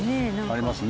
ありますね。